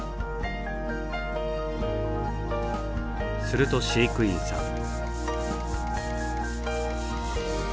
すると飼育員さん。